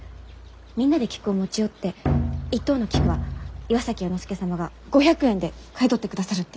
みんなで菊を持ち寄って一等の菊は岩崎弥之助様が５００円で買い取ってくださるって。